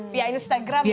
via instagram ya